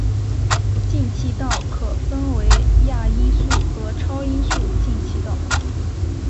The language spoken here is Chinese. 进气道可分为亚音速和超音速进气道。